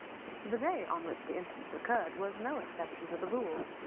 The day on which the incident occurred was no exception to the rule.